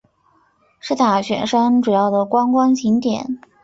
是大雪山主要的观光景点。